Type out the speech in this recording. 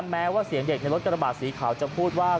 แม้ว่าเสียงเด็กในรถกระบาดสีขาวจะพูดว่า